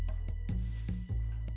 itu itu juga